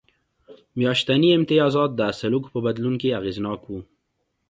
میاشتني امتیازات د سلوک په بدلون کې اغېزناک و